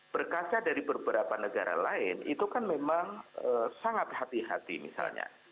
berkasa dari beberapa negara lain itu kan memang sangat hati hati misalnya